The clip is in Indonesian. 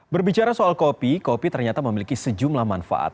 berbicara soal kopi kopi ternyata memiliki sejumlah manfaat